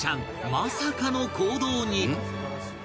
まさかの行動に